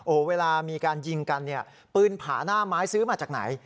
โอ้โหเวลามีการยิงกันเนี่ยปืนผาหน้าไม้ซื้อมาจากไหน